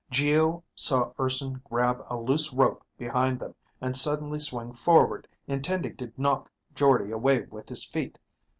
Geo saw Urson grab a loose rope behind them and suddenly swing forward, intending to knock Jordde away with his feet.